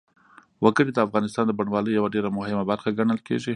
وګړي د افغانستان د بڼوالۍ یوه ډېره مهمه برخه ګڼل کېږي.